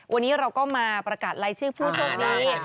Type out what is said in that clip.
วันนี้เราก็มาประกาศรายชื่อผู้โชคดี